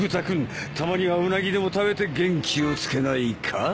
君たまにはうなぎでも食べて元気をつけないか？